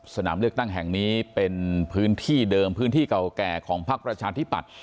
สนามเลือกตั้งแห่งนี้เป็นพื้นที่เดิมพื้นที่เก่าแก่ของพักประชาธิปัตย